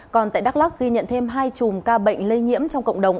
còn tại đắk lắc ghi nhận thêm hai chùm ca bệnh lây nhiễm trong cộng đồng